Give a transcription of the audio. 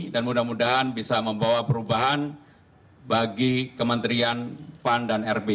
dan mudah mudahan bisa membawa perubahan bagi kementerian pan dan rp